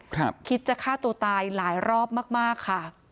คิดจะฆ่าตัวตายหลายรอบมากมากค่ะ